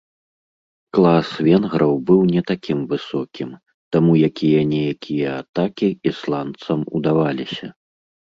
Клас венграў быў не такім высокім, таму якія-ніякія атакі ісландцам удаваліся.